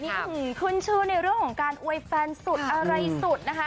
นี่ขึ้นชื่อในเรื่องของการอวยแฟนสุดอะไรสุดนะคะ